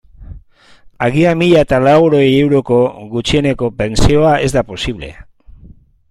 Agian mila eta laurogei euroko gutxieneko pentsioa ez da posible.